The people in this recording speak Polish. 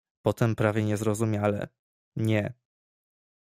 "Potem prawie niezrozumiale: „Nie."